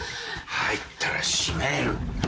入ったら閉める。